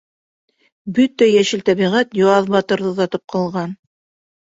Бөтә йәшел тәбиғәт Яҙбатырҙы оҙатып ҡалған.